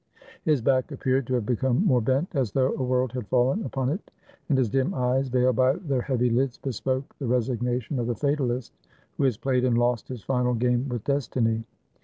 His back appeared to have become more bent, as though a world had fallen upon it; and his dim eyes, veiled by their heavy lids, bespoke the resignation of the fatalist who has played and lost his final game with Destiny.